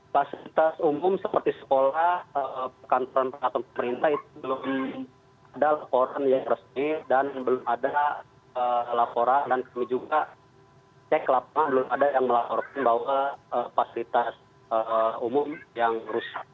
fasilitas umum seperti sekolah perkantoran atau pemerintah itu belum ada laporan yang resmi dan belum ada laporan dan kami juga cek lapangan belum ada yang melaporkan bahwa fasilitas umum yang rusak